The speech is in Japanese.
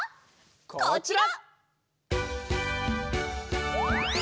こちら！